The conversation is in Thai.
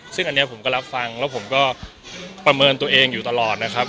ซึ่งอันนี้ผมก็รับฟังแล้วผมก็ประเมินตัวเองอยู่ตลอดนะครับ